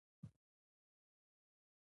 څه ځای به ونیسي جلانه ؟ شاعرې ده خو بس